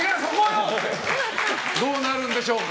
どうなるんでしょうか。